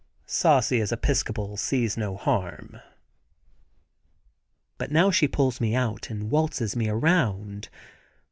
Saucy, as Episcopal, sees no harm. But now she pulls me out and waltzes me around.